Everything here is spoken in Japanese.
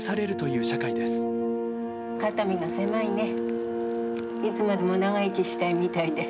いつまでも長生きしたいみたいで。